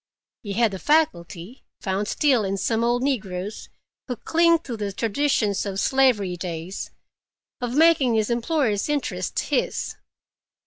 He had the faculty—found still in some old negroes, who cling to the traditions of slavery days—of making his employer's interest his.